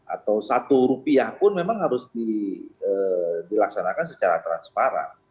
atau satu rupiah pun memang harus dilaksanakan secara transparan